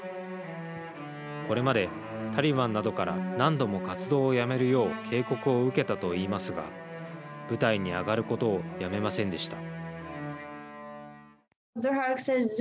これまでタリバンなどから何度も活動をやめるよう警告を受けたと言いますが舞台に上がることをやめませんでした。